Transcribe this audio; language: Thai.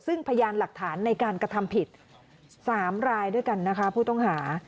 ซึ่งพยานหลักฐานในการกระทำผิด๓รายด้วยกันนะคะผู้ต้องหา